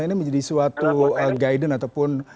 ini menjadi suatu guidance ataupun